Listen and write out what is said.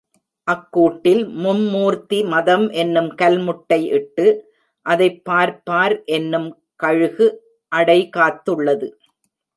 அக்கூட்டில் மும்மூர்த்தி மதம் என்னும் கல்முட்டை இட்டு, அதைப் பார்ப்பார் என்னும் கழுகு அடை காத்துள்ளது.